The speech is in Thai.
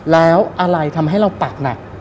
แล้วอะไรทำให้เราปักหนัก